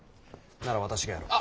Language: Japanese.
なら私がやろう。